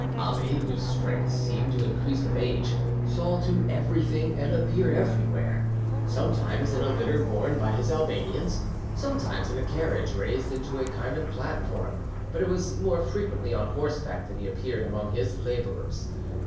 Ali, whose strength seemed to increase with age, saw to everything and appeared everywhere; sometimes in a litter borne by his Albanians, sometimes in a carriage raised into a kind of platform, but it was more frequently on horseback that he appeared among his labourers.